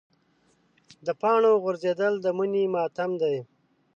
د پاڼو غورځېدل د مني ماتم دی.